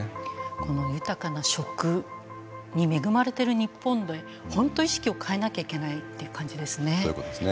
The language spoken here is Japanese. この豊かな食に恵まれてる日本で本当意識を変えなきゃいけないという感じですね。